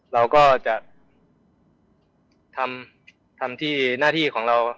เราก็จะทำที่หน้าที่ของเรา